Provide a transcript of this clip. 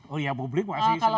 oh ya publik masih